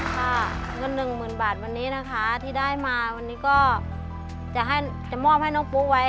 ค่ะเงินหนึ่งหมื่นบาทวันนี้นะคะที่ได้มาวันนี้ก็จะมอบให้น้องปุ๊ไว้